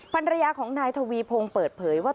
ภรรยาของนายทวีพงศ์เปิดเผยว่า